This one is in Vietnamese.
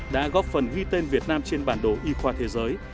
đã góp phần ghi tên việt nam trên bản đồ y khoa thế giới